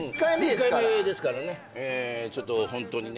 １回目ですからねちょっとホントにね。